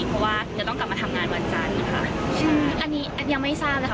เพราะว่าจะต้องกลับมาทำงานวันจันทร์ค่ะใช่อันนี้ยังไม่ทราบนะคะ